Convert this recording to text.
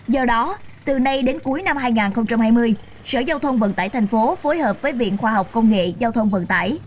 do đó từ nay đến cuối năm hai nghìn hai mươi sở giao thông vận tải thành phố phối hợp với viện khoa học công nghệ giao thông vận tải